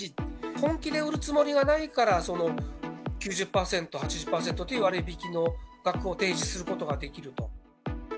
本気で売るつもりがないから、その９０％、８０％という割引の額を提示することができると。